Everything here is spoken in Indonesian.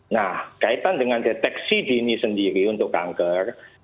nah kaitan dengan deteksi dini sendiri untuk kanker